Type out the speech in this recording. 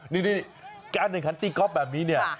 อ้อ้นี่ใกล้การสนับสนับสนับแบบนี้เนี่ย